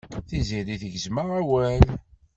Tiziri tegzem-aɣ awal.